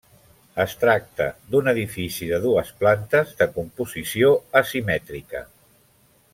Es tracta d'un edifici de dues plantes de composició asimètrica.